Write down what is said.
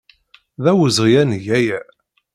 D awezɣi ad neg aya.